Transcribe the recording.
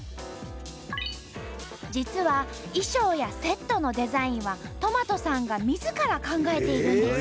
実は衣装やセットのデザインはとまとさんがみずから考えているんです。